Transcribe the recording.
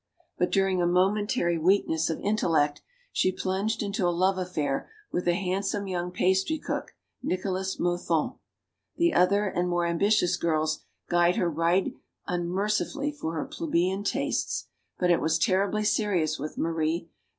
But during a momentary weakness of intellect, she plunged into a love affair with a handsome young pastry cook, Nicolas Mothon. The other and more ambitious girls guyed her right unmercifully for her plebeian tastes. But it was terribly serious with Marie.